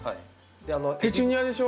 ペチュニアでしょ？